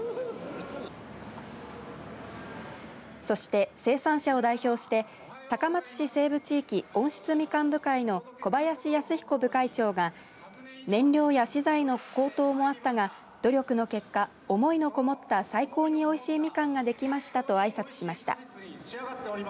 そして生産者を代表して高松市西部地域温室みかん部会の小林康彦部会長が燃料や資材の高騰もあったが努力の結果、思いのこもった最高においしいミカンができましたとあいさつしました。